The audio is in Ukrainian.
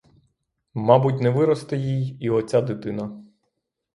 Мабуть, не виросте їй і оця дитина.